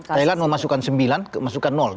thailand memasukkan sembilan kemasukan